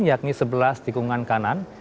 yakni sebelas tikungan kanan